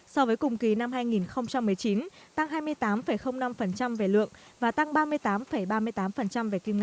so với cùng kỳ năm hai nghìn một mươi chín tăng hai mươi tám năm về lượng và tăng ba mươi tám ba mươi tám về kim ngạch